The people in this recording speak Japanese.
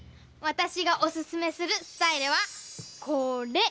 わたしがおすすめするスタイルはこれ。